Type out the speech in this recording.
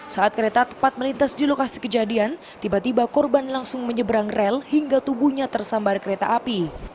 saat kereta tepat melintas di lokasi kejadian tiba tiba korban langsung menyeberang rel hingga tubuhnya tersambar kereta api